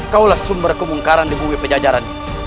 kau langsung berkumungkaran di buwi penjajaran